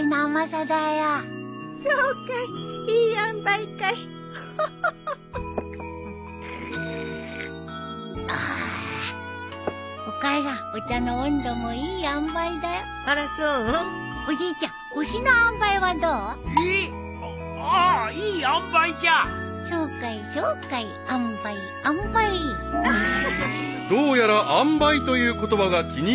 ［どうやら「あんばい」という言葉が気に入ったようである］